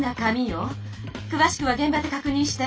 くわしくはげん場でかくにんして！